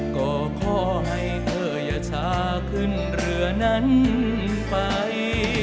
ก็ขอให้เธออย่าช้าขึ้นเรือนั้นไป